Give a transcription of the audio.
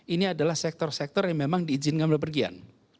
ini adalah sektor sektor yang memang diizinkan berpergian